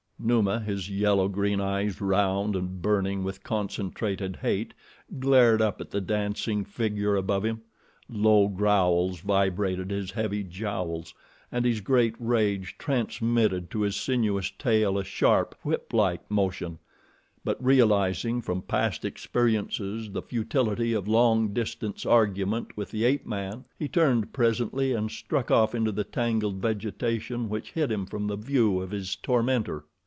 Numa, his yellow green eyes round and burning with concentrated hate, glared up at the dancing figure above him. Low growls vibrated his heavy jowls and his great rage transmitted to his sinuous tail a sharp, whiplike motion; but realizing from past experience the futility of long distance argument with the ape man, he turned presently and struck off into the tangled vegetation which hid him from the view of his tormentor.